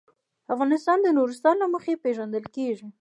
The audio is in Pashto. افغانستان د نورستان له مخې پېژندل کېږي.